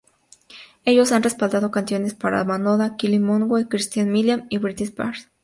Ellos han respaldado canciones para Madonna, Kylie Minogue, Christina Milian y Britney Spears.